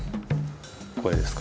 これですか？